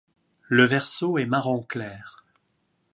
Le verso est marron clair.